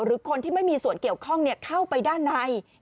หรือคนที่ไม่มีส่วนเกี่ยวข้องเข้าไปด้านใน